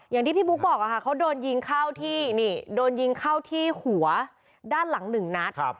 อย่างที่พี่บุ๊คบอกเขาโดนยิงเข้าที่นี่โดนยิงเข้าที่หัวด้านหลังหนึ่งนัด